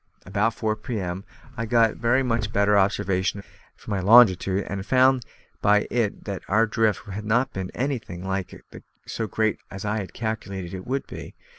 About four p.m. I got a very much better observation for my longitude, and I found by it that our drift had not been anything like so great as I had calculated it would be.